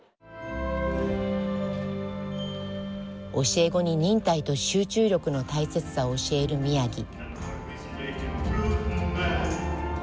教え子に忍耐と集中力の大切さを教えるミヤギ。